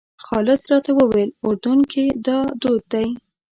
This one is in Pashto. خالد راته وویل اردن کې دا دود دی.